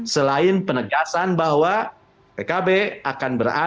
selain penegasan bahwa pkb akan berada di barisan kekuatan yang menjaga kesinambungan